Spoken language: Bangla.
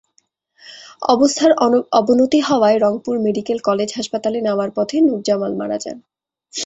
অবস্থার অবনতি হওয়ায় রংপুর মেডিকেল কলেজ হাসপাতালে নেওয়ার পথে নূরজামাল মারা যান।